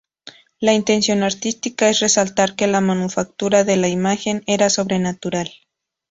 La intención artística es resaltar que la manufactura de la imagen era sobrenatural.